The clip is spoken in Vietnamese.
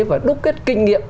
và đúc kết kinh nghiệm